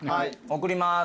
送ります。